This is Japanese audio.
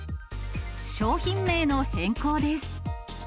商品名の変更です。